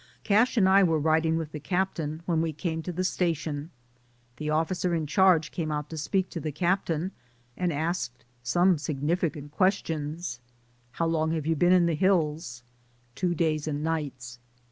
Cash and I were riding with the captain when we came to the station. The officer in charge came out to speak to the captain and asked some significant questions, "How long have you been in the hills ?" "Two days and nights."